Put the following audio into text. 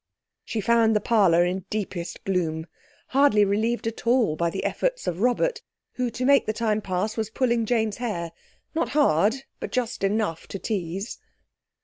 She found the parlour in deepest gloom, hardly relieved at all by the efforts of Robert, who, to make the time pass, was pulling Jane's hair—not hard, but just enough to tease.